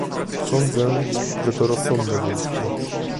Sądzę, że to rozsądne wyjście